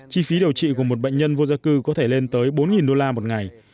chi phí điều trị của một bệnh nhân vô gia cư có thể lên tới bốn đô la một ngày